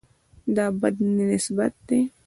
دا د بد نسبت ده.